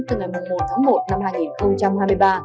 từ ngày một tháng một năm hai nghìn hai mươi ba